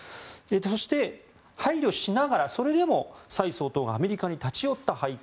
そして、配慮しながらそれでも蔡総統がアメリカに立ち寄った背景